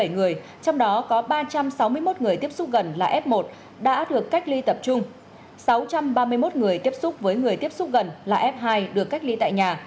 bảy mươi người trong đó có ba trăm sáu mươi một người tiếp xúc gần là f một đã được cách ly tập trung sáu trăm ba mươi một người tiếp xúc với người tiếp xúc gần là f hai được cách ly tại nhà